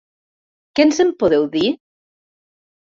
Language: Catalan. Què ens en podeu dir?